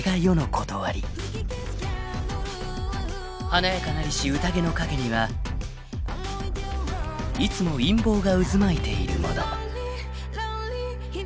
［華やかなりし宴の陰にはいつも陰謀が渦巻いているもの］